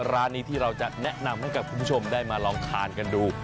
ร้านนี้ที่เราจะแนะนำให้กับคุณผู้ชมได้มาลองทานกันดู